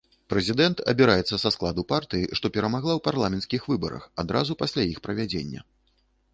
Прэзідэнт абіраецца са складу партыі, што перамагла ў парламенцкіх выбарах адразу пасля іх правядзення.